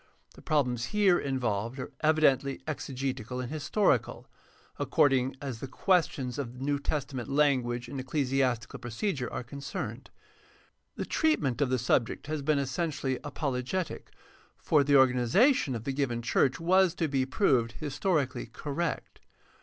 The prob lems here involved are evidently exegetical and historical, according as the questions of New Testament language and ecclesiastical procedure are concerned. The treatment of the subject has been essentially apologetic, for the organi zation of the given church was to be proved historically correct.